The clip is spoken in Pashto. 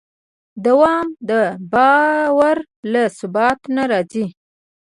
دوام د باور له ثبات نه راځي.